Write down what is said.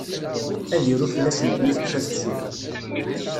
Ad iru fell-asent mi tekfa tefsut.